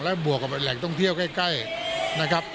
และบวกกับแหล่งท่องเที่ยวใกล้นะครับ